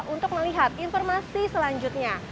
untuk melihat informasi selanjutnya